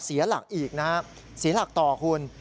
เสียหลักอีกนะฮะเสียหลักต่อคุณ